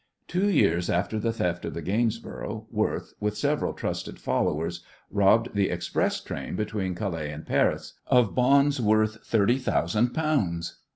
Two years after the theft of the Gainsborough, Worth, with several trusted followers, robbed the express train between Calais and Paris of bonds worth thirty thousand pounds.